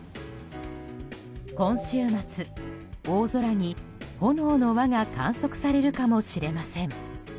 今週末、大空に炎の輪が観測されるかもしれません。